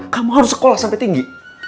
kamu harus sekolah sampai tinggi